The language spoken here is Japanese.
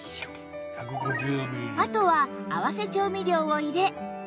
あとは合わせ調味料を入れ